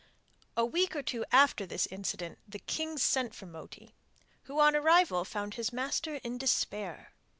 A week or two after this incident the king sent for Moti, who on arrival found his master in despair.